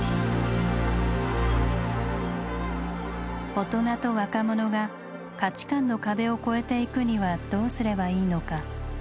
大人と若者が価値観の壁を超えていくにはどうすればいいのか。